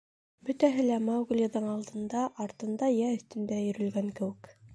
Бөтәһе лә Мауглиҙың алдында, артында йә өҫтөндә өйрөлгән кеүек.